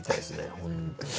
本当に。